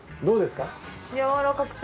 どうですか？